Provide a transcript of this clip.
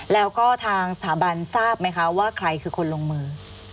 แล้วก็ทางสถาบันทราบไหมคะว่าใครคือคนลงมือ